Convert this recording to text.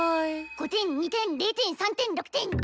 ５点２点０点３点６点！